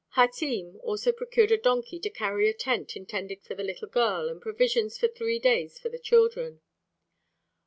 Hatim also procured a donkey to carry a tent intended for the little girl and provisions for three days for the children.